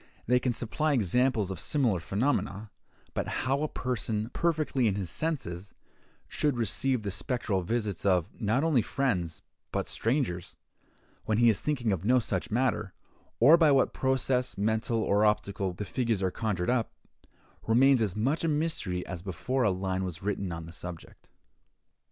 They can supply examples of similar phenomena; but how a person, perfectly in his senses, should receive the spectral visits of, not only friends, but strangers, when he is thinking of no such matter—or by what process, mental or optical, the figures are conjured up—remains as much a mystery as before a line was written on the subject.